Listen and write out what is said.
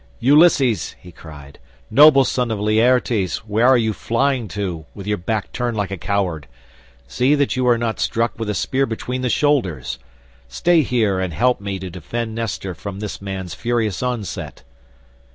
"Ulysses," he cried, "noble son of Laertes where are you flying to, with your back turned like a coward? See that you are not struck with a spear between the shoulders. Stay here and help me to defend Nestor from this man's furious onset."